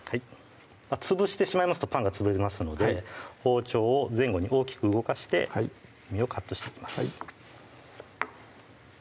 潰してしまいますとパンが潰れますので包丁を前後に大きく動かして耳をカットしていきます